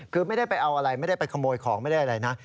คือไม่ได้ไปเอาอะไรไม่ได้ไปขโมยของไม่ได้อะไรนะ